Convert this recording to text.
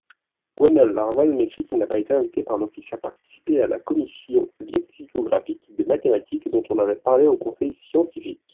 Gwenole Larvol m'écrit qu'il n'a pas été invité par l'Office à participer à la commision lexicographique de mathématique dont on avait parlé au conseil scientifique.